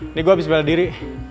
ini gue habis bela diri